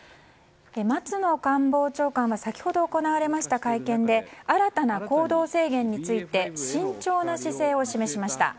松野官房長官が先ほど行われた会見で新たな行動制限について慎重な姿勢を示しました。